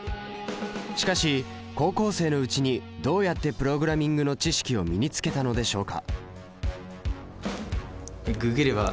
しかし高校生のうちにどうやってプログラミングの知識を身につけたのでしょうか？